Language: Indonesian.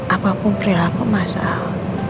apapun perilaku masal